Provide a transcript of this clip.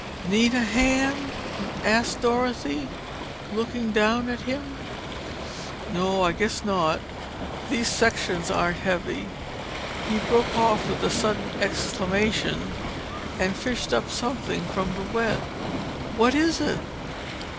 "Need a hand?" asked Dorothy, looking down at him. "No, I guess not. These sections aren't heavy—" He broke off with a sudden exclamation and fished up something from the wet. "What is it?"